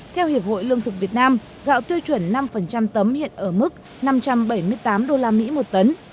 theo hiệp hội lương thực việt nam gạo tiêu chuẩn năm tấm hiện ở mức năm trăm bảy mươi tám usd một tấn